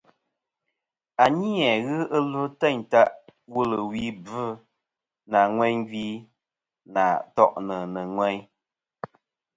A ni-a ghɨ ɨlvɨ teyn ta wulwi bvɨ nà ŋweyn gvi nà to'nɨ nɨ̀ ŋweyn.